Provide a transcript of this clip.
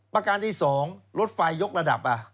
ประการที่๒รถไฟยกระดับ